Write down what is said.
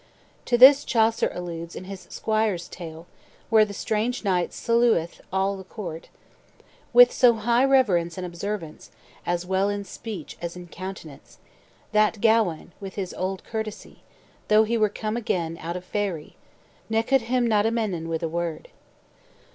To this Chaucer alludes in his "Squiere's Tale," where the strange knight "salueth" all the court "With so high reverence and observance, As well in speeche as in countenance, That Gawain, with his olde curtesie, Though he were come agen out of faerie, Ne coude him not amenden with a word."